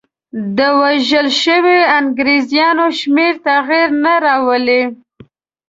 د وژل شویو انګرېزانو شمېر تغییر نه راولي.